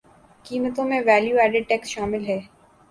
قیمتوں میں value added tax شامل ہے